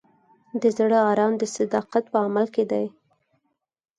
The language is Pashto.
د زړه ارام د صداقت په عمل کې دی.